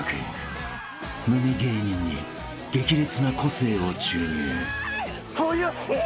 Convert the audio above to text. ［無味芸人に激烈な個性を注入］